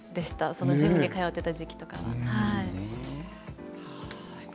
そのジムに通っていた時期は。